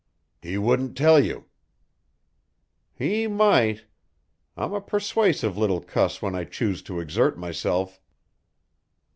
"He wouldn't tell you." "He might. I'm a persuasive little cuss when I choose to exert myself."